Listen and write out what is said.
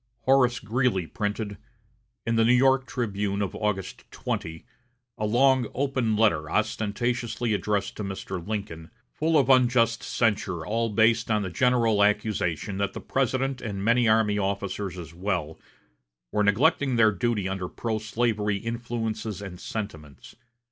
Horace Greeley printed, in the New York "Tribune" of August 20, a long "open letter" ostentatiously addressed to Mr. Lincoln, full of unjust censure all based on the general accusation that the President and many army officers as well, were neglecting their duty under pro slavery influences and sentiments.